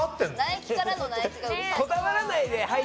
ナイキからのナイキがうるさい。